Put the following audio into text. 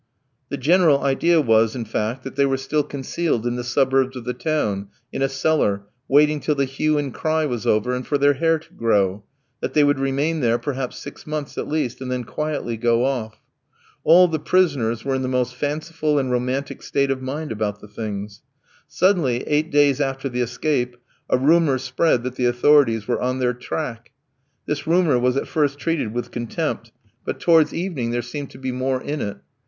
The general idea was, in fact, that they were still concealed in the suburbs of the town, in a cellar, waiting till the hue and cry was over, and for their hair to grow; that they would remain there perhaps six months at least, and then quietly go off. All the prisoners were in the most fanciful and romantic state of mind about the things. Suddenly, eight days after the escape, a rumour spread that the authorities were on their track. This rumour was at first treated with contempt, but towards evening there seemed to be more in it.